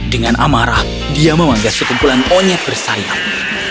dengan amarah dia memanggil sekumpulan onyet bersayang